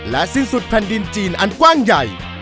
สิ้นสุดแผ่นดินจีนอันกว้างใหญ่